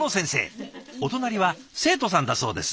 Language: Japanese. お隣は生徒さんだそうです。